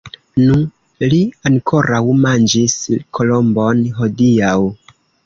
Nu! li ankoraŭ manĝis kolombon hodiaŭ.